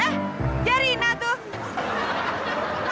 eh dia rina tuh